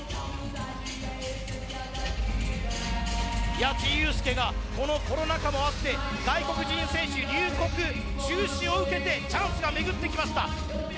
矢地祐介がこのコロナ禍もあって外国人選手入国中止を受けてチャンスが巡ってきました。